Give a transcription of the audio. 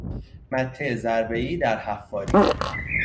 مته ضربه ای درحفاری